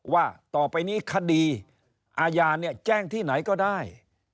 ว่าต่อไปนี้คดีอาญาเนี่ยแจ้งที่ไหนก็ได้